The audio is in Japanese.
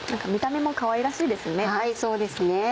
見た目もかわいらしいですね。